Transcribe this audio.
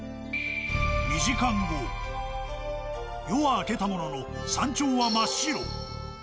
２時間後、夜は明けたものの、山頂は真っ白。